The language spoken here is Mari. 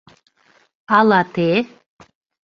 Ала те...